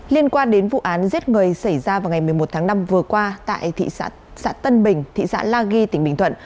liên quan đến vụ án giết người xảy ra vào ngày một mươi một tháng năm vừa qua tại xã tân bình thị xã la ghi tỉnh bình thuận